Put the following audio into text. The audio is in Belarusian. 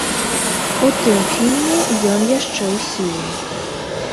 У тым фільме ён яшчэ ў сіле.